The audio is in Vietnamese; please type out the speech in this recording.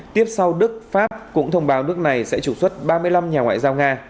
tiếp sau đức pháp cũng thông báo nước này sẽ trục xuất ba mươi năm nhà ngoại giao nga